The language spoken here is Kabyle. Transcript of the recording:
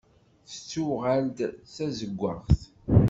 Tettuɣal-d d tazewwaɣt.